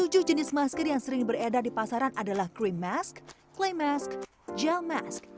tujuh jenis masker yang sering beredar di pasaran adalah cream mask clay mask gel mask